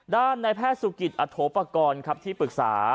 ด้านในแพทย์ศุกิตอโถปกรณ์ครับที่ปรึกษา